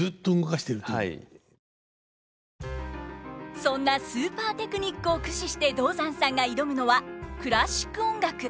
そんなスーパーテクニックを駆使して道山さんが挑むのはクラシック音楽！